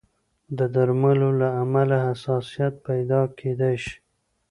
د درملو له امله حساسیت پیدا کېدای شي.